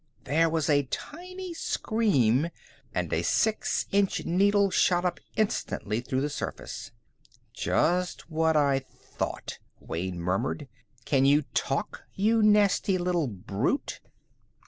There was a tinny scream, and a six inch needle shot up instantly through the surface. "Just what I thought," Wayne murmured. "Can you talk, you nasty little brute?"